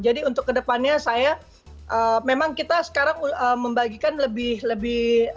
jadi untuk kedepannya saya memang kita sekarang membagikan lebih lebih